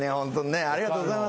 ありがとうございます